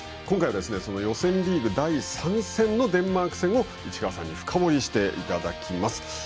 今回は予選リーグ第３戦のデンマーク戦を市川さんに深掘りしていただきます。